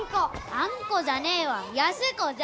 あんこじゃねえわ安子じゃ。